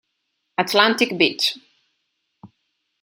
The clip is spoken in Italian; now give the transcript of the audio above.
Atlantic Beach